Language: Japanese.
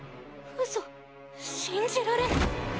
ウソ信じられない。